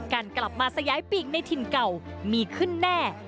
การกลับมาสยายปีกในถิ่นเก่ามีขึ้นแน่